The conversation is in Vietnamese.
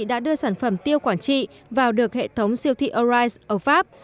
đã đưa sản phẩm tiêu quang trị vào được hệ thống siêu thị arise ở pháp